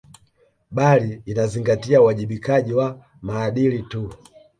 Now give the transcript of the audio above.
Bali inazingatia uwajibikaji wa maadili tu